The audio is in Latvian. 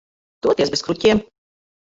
Toties bez kruķiem.